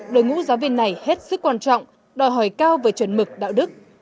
đội ngũ giáo viên này hết sức quan trọng đòi hỏi cao về chuẩn mực đạo đức